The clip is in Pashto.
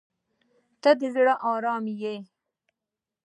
• ته د زړګي ارام یې.